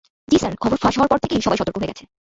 জ্বি স্যার, খবর ফাঁস হওয়ার পর থেকেই সবাই সতর্ক হয়ে গেছে।